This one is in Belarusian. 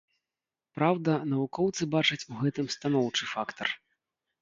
Праўда, навукоўцы бачаць у гэтым станоўчы фактар.